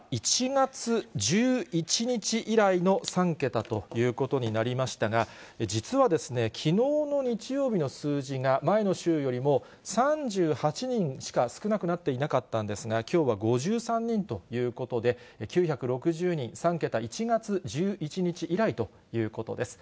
１月１１日以来の３桁ということになりましたが、実はきのうの日曜日の数字が前の週よりも３８人しか少なくなっていなかったんですが、きょうは５３人ということで、９６０人、３桁、１月１１日以来ということです。